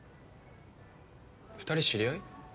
二人知り合い？